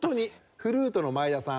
フルートの前田さん